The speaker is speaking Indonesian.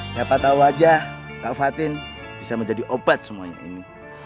siapa tahu saja kak fatin bisa menjadi obat semuanya ini